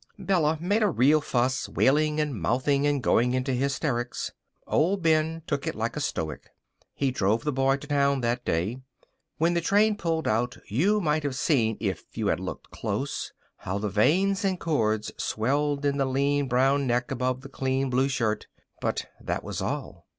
Bella made the real fuss, wailing and mouthing and going into hysterics. Old Ben took it like a stoic. He drove the boy to town that day. When the train pulled out, you might have seen, if you had looked close, how the veins and cords swelled in the lean brown neck above the clean blue shirt. But that was all.